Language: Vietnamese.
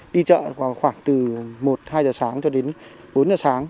đi chợ vào khoảng từ một hai giờ sáng cho đến bốn giờ sáng